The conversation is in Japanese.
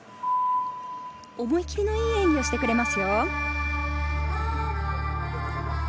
思い切りのいい演技をしてくれますよ。